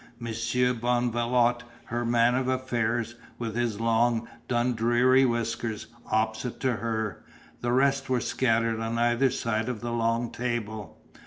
Monsieur Bonvalot, her man of affairs, with his long Dundreary whiskers, opposite to her; the rest were scattered on either side of the long table.